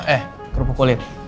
eh kerupuk kulit